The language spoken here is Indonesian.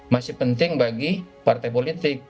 masih penting bagi partai politik